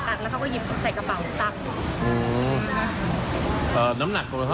ตอนนี้เท่ากันก็มีภาพหลักฐานจากกล้องวงจักร